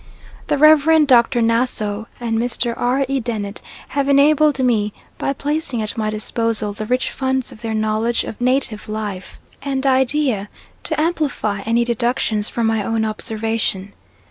The Rev. Dr. Nassau and Mr. R. E. Dennett have enabled me, by placing at my disposal the rich funds of their knowledge of native life and idea, to amplify any deductions from my own observation.